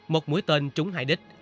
một mũi tên trúng hại đích